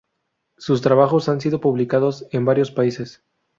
Sus trabajos han sido publicados en varios países.